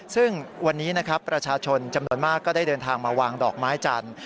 ซึ่งวันนี้นะครับประชาชนจำนวนมากก็ได้เดินทางมาวางดอกไม้จันทร์